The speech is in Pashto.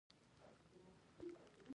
تر دعا وروسته مور ربیټ د نعنا چای جوړ کړ